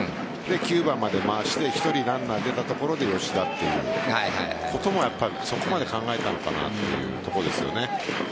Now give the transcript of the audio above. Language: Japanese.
９番まで回して１人ランナー出たところで吉田ということもそこまで考えたのかなというところですね。